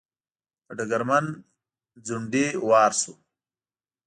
د ډګرمن ځونډي وار شو.